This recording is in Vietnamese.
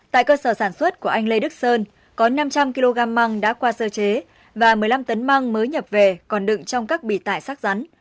tại cơ sở sản xuất của anh lê đức sơn có năm trăm linh kg măng đã qua sơ chế và một mươi năm tấn măng mới nhập về còn đựng trong các bị tải sắc rắn